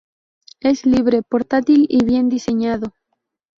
Es libre, portátil y bien-diseñado.